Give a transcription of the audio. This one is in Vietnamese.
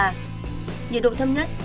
nhiệt độ thâm nhất